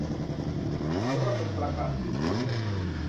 ไหนว่าเป็น "ประกาศหยุดยิง" ไง